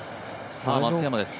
松山です。